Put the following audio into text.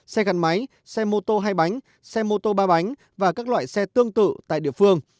xe gắn máy xe mô tô hay bánh xe mô tô ba bánh và các loại xe tương tự tại địa phương